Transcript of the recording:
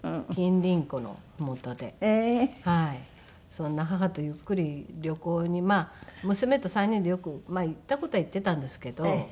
そんな母とゆっくり旅行にまあ娘と３人でよく行った事は行っていたんですけど。